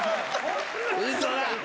ウソだ。